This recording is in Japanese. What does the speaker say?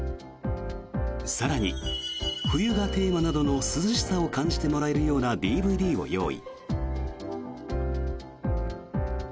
更に、冬がテーマなどの涼しさを感じてもらえるようなＤＶＤを用意。